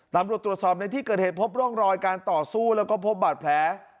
ตำรวจตรวจสอบในที่เกิดเหตุพบร่องรอยการต่อสู้แล้วก็พบบาดแผล